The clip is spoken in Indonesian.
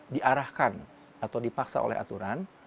diarahkan atau dipaksa oleh aturan